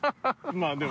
まぁでも。